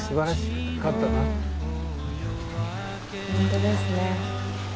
本当ですね。